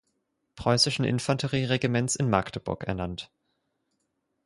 Preußischen Infanterieregiments in Magdeburg ernannt.